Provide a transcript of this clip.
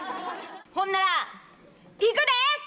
ほんならいくで！